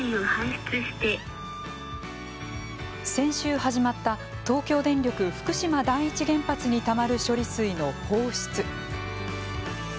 先週始まった東京電力福島第一原発にたまる処理水の放出。